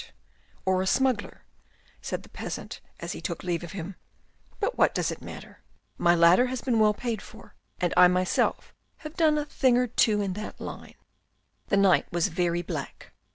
. 222 THE RED AND THE BLACK or a smuggler," said the peasant as he took leave of him, " but what does it matter ? My ladder has been well paid for, and I myself have done a thing or two in that line." The night was very black.